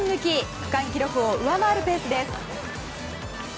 区間記録を上回るペースです。